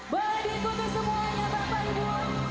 boleh diikuti semuanya bapak ibu